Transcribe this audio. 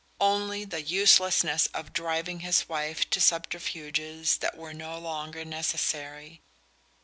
Only the uselessness of driving his wife to subterfuges that were no longer necessary.